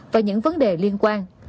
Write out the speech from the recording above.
và những vấn đề liên quan